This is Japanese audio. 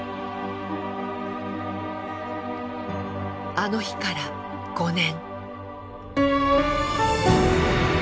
あの日から５年。